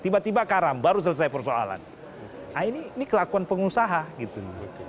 tiba tiba karam baru selesai persoalan nah ini kelakuan pengusaha gitu